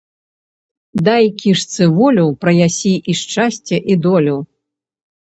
Дай кішцы волю ‒ праясі і шчасце і долю